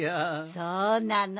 そうなの。